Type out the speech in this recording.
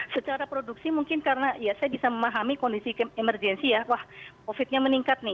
secara produksi mungkin karena saya bisa memahami kondisi emergensi ya wah covidnya meningkat nih